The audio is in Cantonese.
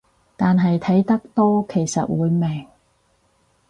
但係睇得多其實會明